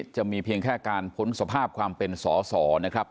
จะมีเพียงแค่การพ้นสภาพความเป็นสอสอนะครับ